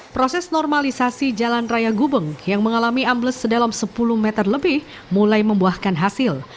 proses normalisasi jalan raya gubeng yang mengalami ambles sedalam sepuluh meter lebih mulai membuahkan hasil